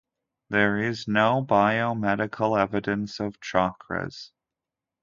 There is no biomedical evidence of chakras.